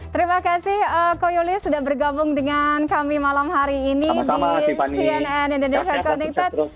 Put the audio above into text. terima kasih ko yuli sudah bergabung dengan kami malam hari ini di cnn indonesia connected